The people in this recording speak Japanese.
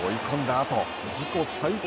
あと自己最速